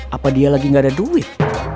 apa dia lagi gak ada duit